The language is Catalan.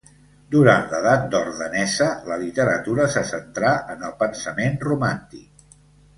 Durant l'Edat d'or danesa, la literatura se centrà en el pensament romàntic.